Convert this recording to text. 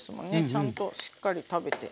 ちゃんとしっかり食べて。